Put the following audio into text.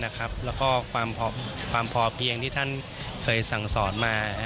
แล้วก็ความพอเพียงที่ท่านเคยสั่งสอนมา